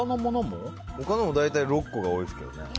他のも大体６個が多いですけど。